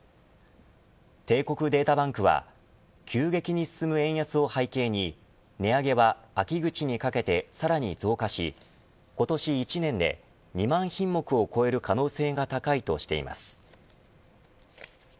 帝国データバンクは急激に進む円安を背景に値上げは秋口にかけてさらに増加し今年１年で２万品目を超える可能性が高いとしています。